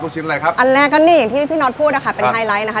ชิ้นอะไรครับอันแรกก็นี่อย่างที่พี่น็อตพูดนะคะเป็นไฮไลท์นะคะ